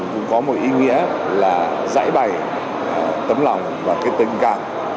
cũng có một ý nghĩa là giải bày tấm lòng và cái tình cảm